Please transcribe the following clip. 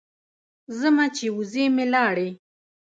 ځمه چې وزې مې لاړې.